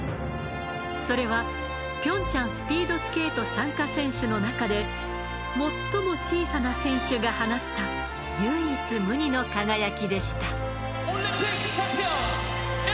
それは平昌スピードスケート参加選手の中で最も小さな選手が放った唯一無二の輝きでした。